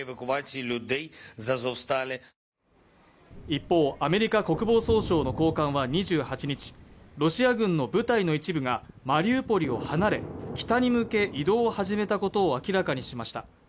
一方アメリカ国防総省の高官は２８日ロシア軍の部隊の一部がマリウポリを離れ北に向け移動を始めたことを明らかにしました